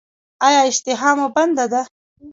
ایا اشتها مو بنده ده؟